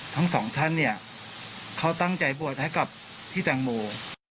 ทั้งสองท่านเขาตั้งใจบวชให้กับตั๋งหมู